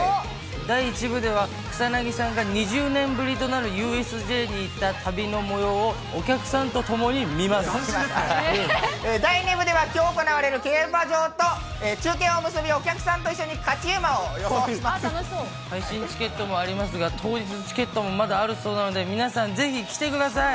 第１部では、草薙さんが２０年ぶりとなるＵＳＪに行った旅のもようを、お客さ第２部では、きょう行われる競馬場と中継を結び、お客さんと一緒に勝ち馬を予配信チケットもありますが、当日チケットもあるそうなので、皆さんぜひ来てください。